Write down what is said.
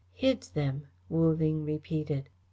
"Hid them," Wu Ling repeated.